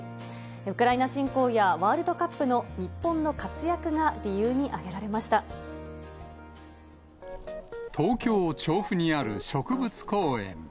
ウクライナ侵攻やワールドカップの日本の活躍が理由に挙げられま東京・調布にある植物公園。